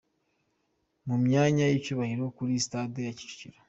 Mu myanya y'icyubahiro kuri sitade ya Kicukiro .